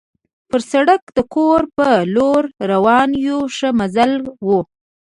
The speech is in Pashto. پر سړک د کور په لور روان وو، ښه مزل وو.